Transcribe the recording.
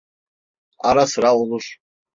Ara sıra olur…